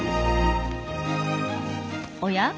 おや？